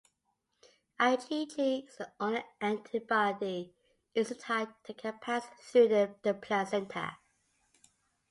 IgG is the only antibody isotype that can pass through the placenta.